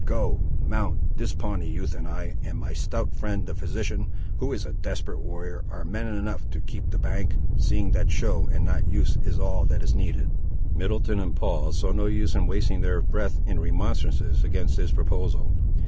Go; mount; this Pawnee youth and I, and my stout friend the physician, who is a desperate warrior, are men enough to keep the bank, seeing that show and not use is all that is needed." Middleton and Paul saw no use in wasting their breath in remonstrances against this proposal.